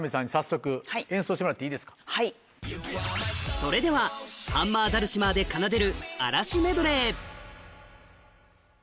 それではハンマーダルシマーで奏でる